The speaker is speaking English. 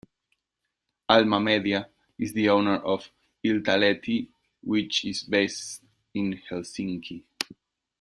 Alma Media is the owner of "Iltalehti" which is based in Helsinki.